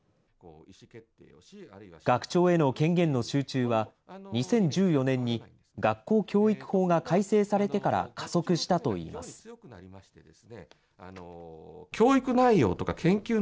学長への権限の集中は、２０１４年に学校教育法が改正されてから加速したといいます。